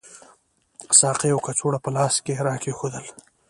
ساقي یوه کڅوړه په لاس کې راکېښودل.